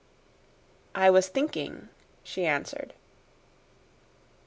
"I was thinking," she answered.